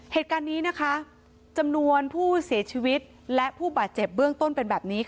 เหตุการณ์นี้นะคะจำนวนผู้เสียชีวิตและผู้บาดเจ็บเบื้องต้นเป็นแบบนี้